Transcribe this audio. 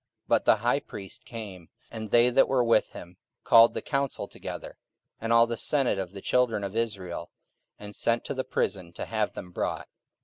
But the high priest came, and they that were with him, and called the council together, and all the senate of the children of Israel, and sent to the prison to have them brought.